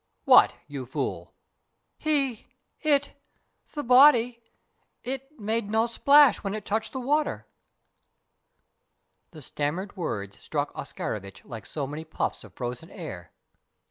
"What, you fool?" "He it the body it made no splash when it touched the water!" The stammered words struck Oscarovitch like so many puffs of frozen air.